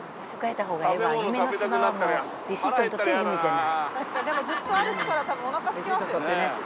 たしかにでもずっと歩くからたぶんおなかすきますよ。